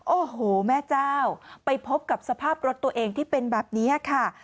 โอ้โหแม่เจ้าไปพบกับสภาพรถตัวเองที่เป็นแบบนี้ค่ะ